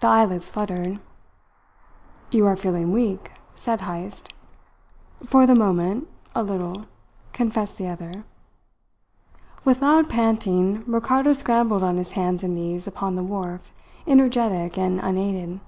The eyelids fluttered. "You are feeling weak," said Heyst. "For the moment, a little," confessed the other. With loud panting, Ricardo scrambled on his hands and knees upon the wharf, energetic and unaided.